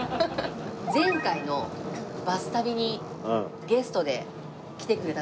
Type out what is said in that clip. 前回の『バス旅』にゲストで来てくれた時に。